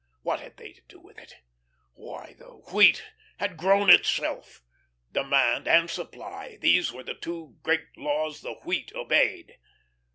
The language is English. What had they to do with it? Why the Wheat had grown itself; demand and supply, these were the two great laws the Wheat obeyed.